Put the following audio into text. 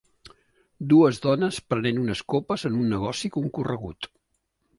Dues dones prenent unes copes en un negoci concorregut